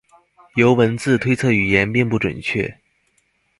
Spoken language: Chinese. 由文字推测语言并不准确。